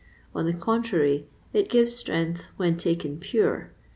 On the contrary, it gives strength when taken pure.